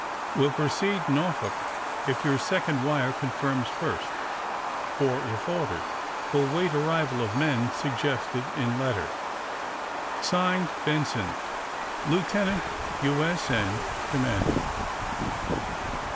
Will proceed Norfolk if your second wire confirms first. Or if ordered, will wait arrival of men suggested in letter. (Signed) ^^ Benson, '^Lieutenant, U.S. N., '* Commanding.